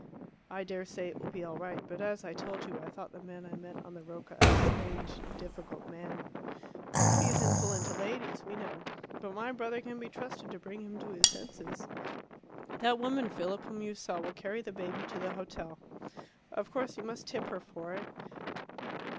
"I dare say it will be all right. But, as I told you, I thought the man I met on the Rocca a strange, difficult man." "He's insolent to ladies, we know. But my brother can be trusted to bring him to his senses. That woman, Philip, whom you saw will carry the baby to the hotel. Of course you must tip her for it.